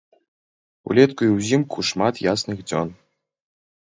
Улетку і ўзімку шмат ясных дзён.